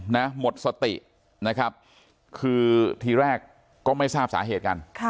หมดสตินะครับคือทีแรกก็ไม่ทราบสาเหตุกัน